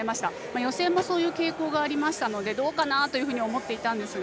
予選もそういう傾向がありましたのでどうかなと思っていたんですが。